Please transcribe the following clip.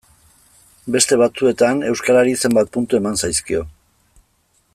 Beste batzuetan euskarari zenbait puntu eman zaizkio.